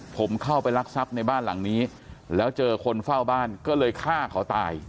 ผมเข้าไปรักทรัพย์ในบ้านหลังนี้แล้วเจอคนเฝ้าบ้านก็เลยฆ่าเขาตาย